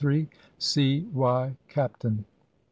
"C.Y., Captain."